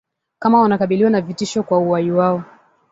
kama wanakabiliwa na vitisho kwa uhai wao